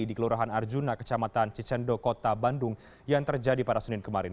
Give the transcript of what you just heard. di kelurahan arjuna kecamatan cicendo kota bandung yang terjadi pada senin kemarin